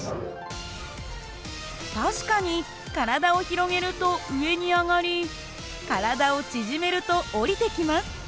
確かに体を広げると上に上がり体を縮めると下りてきます。